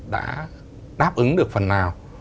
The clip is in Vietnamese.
đã đáp ứng được phần nào